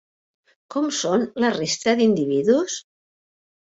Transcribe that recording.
Com són la resta d'individus?